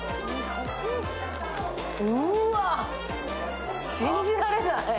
うわ、信じられない。